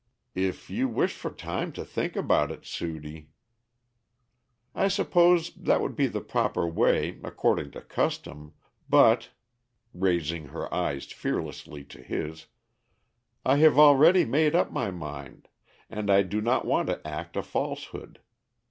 "If you wish for time to think about it Sudie " "I suppose that would be the proper way, according to custom; but," raising her eyes fearlessly to his, "I have already made up my mind, and I do not want to act a falsehood.